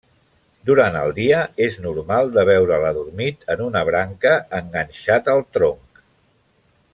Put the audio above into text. Durant el dia és normal de veure'l adormit en una branca, enganxat al tronc.